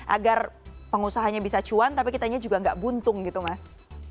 agar pengusahanya bisa cuan tapi kitanya juga nggak buntung gitu mas